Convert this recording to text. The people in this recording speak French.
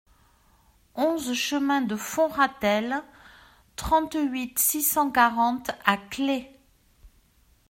onze chemin de Fond Ratel, trente-huit, six cent quarante à Claix